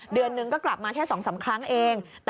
เดือนหนึ่งก็กลับมาแค่๒๓ครั้งเอง